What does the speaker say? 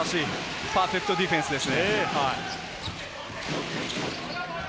パーフェクトディフェンスです。